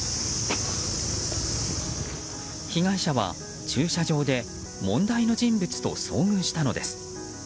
被害者は駐車場で問題の人物と遭遇したのです。